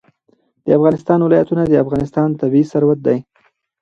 د افغانستان ولايتونه د افغانستان طبعي ثروت دی.